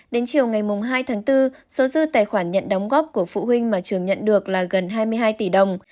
đến chiều ngày hai tháng bốn số dư tài khoản nhận đóng góp của phụ huynh mà trường nhận được là gần hai mươi hai tỷ đồng